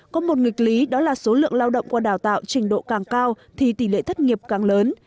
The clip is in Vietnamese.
có một nghịch lý đó là số lượng lao động qua đào tạo trình độ càng cao thì tỷ lệ thất nghiệp càng lớn